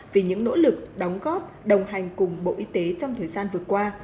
vì những nỗ lực đóng góp đồng hành cùng bộ y tế trong thời gian vừa qua